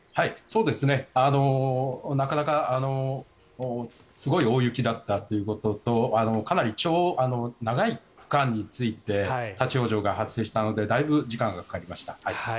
なかなかすごい大雪だったということとかなり長い区間について立ち往生が発生したのでだいぶ時間がかかりました。